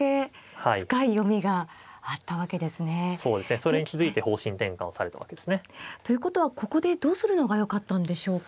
それに気付いて方針転換をされたわけですね。ということはここでどうするのがよかったんでしょうか。